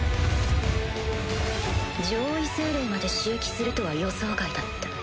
上位精霊まで使役するとは予想外だった。